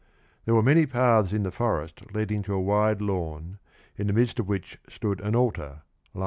There were many paths in the forest leading to a wide lawn, in the midst of which stood an altar (90).